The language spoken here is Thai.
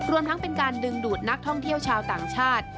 รวมทั้งเป็นการดึงดูดนักท่องเที่ยวชาวต่างชาติ